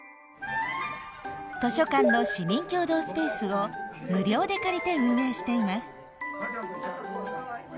図書館の市民協働スペースを無料で借りて運営しています。